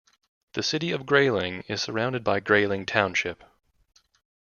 The city of Grayling is surrounded by Grayling Township.